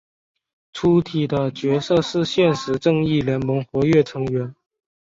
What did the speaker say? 粗体的角色是现时正义联盟活跃成员。